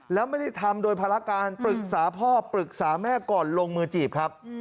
แล้วไม่ได้ทำโดยภารการปรึกษาพ่อปรึกษาแม่ก่อนลงมือจีบครับ